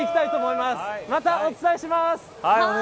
また、お伝えします。